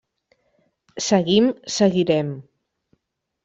Seguim, seguirem.